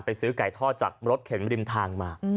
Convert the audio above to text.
ไปซื้อไก่ทอดจัดลดเข็มริมทางมา